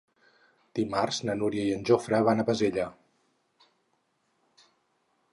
Dimarts na Núria i en Jofre van a Bassella.